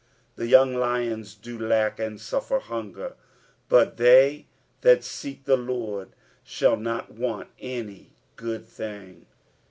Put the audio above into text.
10 The young lions do lack, and suffer hunger: but they that seek the Lord shall not want any good thing.